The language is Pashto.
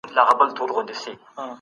په داسي وخت کي خاموشي د عزت ساتنه ده.